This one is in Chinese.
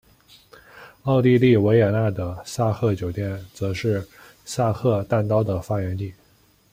奥地利维也纳的萨赫酒店则是萨赫蛋糕的发源地。